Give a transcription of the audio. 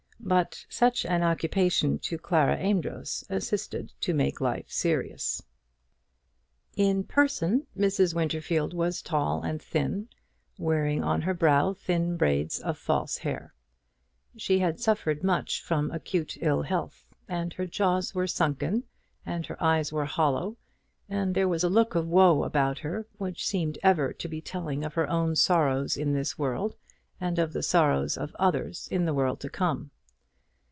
But such an occupation to Clara Amedroz assisted to make life serious. In person Mrs. Winterfield was tall and thin, wearing on her brow thin braids of false hair. She had suffered much from acute ill health, and her jaws were sunken, and her eyes were hollow, and there was a look of woe about her which seemed ever to be telling of her own sorrows in this world and of the sorrows of others in the world to come.